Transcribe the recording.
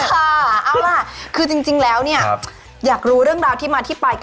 ค่ะเอาล่ะคือจริงแล้วเนี่ยอยากรู้เรื่องราวที่มาที่ไป